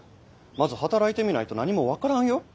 まず働いてみないと何も分からんよ。